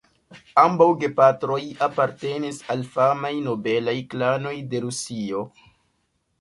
Ambaŭ gepatroj apartenis al famaj nobelaj klanoj de Rusio.